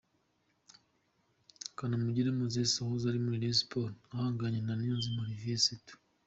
Kanamugire Moses wahoze muri Rayon Sports ahanganye na Niyonzima Olivier Sefu.